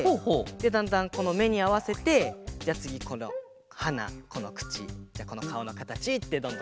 でだんだんこのめにあわせてじゃあつぎこのはなこのくちじゃあこのかおのかたちってどんどんつくってくんだけど。